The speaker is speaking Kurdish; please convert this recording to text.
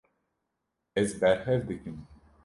Ez berhev dikim.